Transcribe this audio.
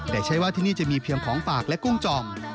แต่ใช้ว่าที่นี่จะมีเพียงของฝากและกุ้งจ่อม